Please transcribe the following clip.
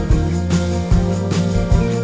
โปรดติดตามต่อไป